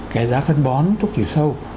cái giá phân bón thuốc thủy sâu